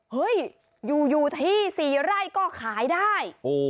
เฮ้ยอยู่ที่๔ไร่ก็ขายได้